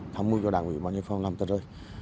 tham mưu cho đảng quỹ bao nhiêu phong lầm tật rơi